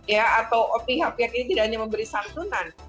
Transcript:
ya atau pihak pihak ini tidak hanya memberi santunan